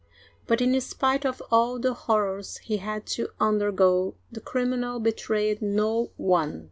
But in spite of all the horrors he had to undergo, the criminal betrayed no one.